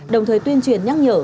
đồng thời tuyên truyền nhắc nhở